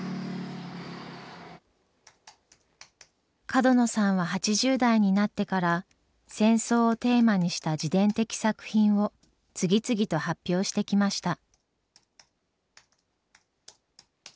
角野さんは８０代になってから戦争をテーマにした自伝的作品を次々と発表してきました。